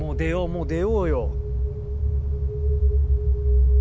もう出ようよ。